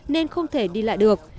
nên không thể đi lại được